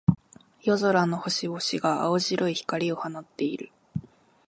夜空の星々が、青白い光を放っている。